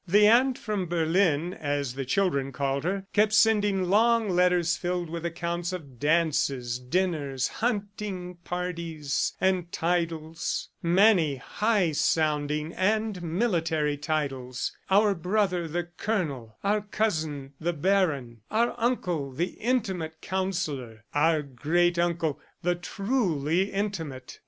"The aunt from Berlin," as the children called her, kept sending long letters filled with accounts of dances, dinners, hunting parties and titles many high sounding and military titles; "our brother, the Colonel," "our cousin, the Baron," "our uncle, the Intimate Councillor," "our great uncle, the Truly Intimate."